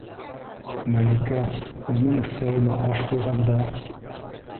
Мәликә уның өҫтәленә аш ҡуйғанда: